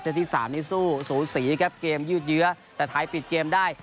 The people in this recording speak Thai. ที่๓นี้สู้สูสีครับเกมยืดเยื้อแต่ไทยปิดเกมได้